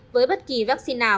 với bất kỳ vaccine nào